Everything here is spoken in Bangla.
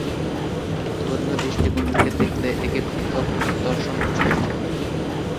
ধর্মীয় দৃষ্টিকোণ থেকে দেখলে একে পৃথক দর্শন বুঝায়।